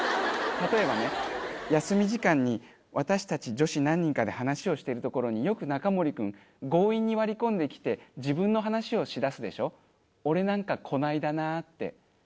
例えばね休み時間に私たち女子何人かで話をしているところによくナカモリ君強引に割り込んできて自分の話をしだすでしょ「俺なんかこないだな」って。